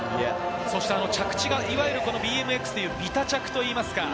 そして着地がいわゆるＢＭＸというビタ着といいます。